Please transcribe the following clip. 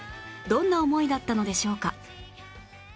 どんな思いだったのでしょうか？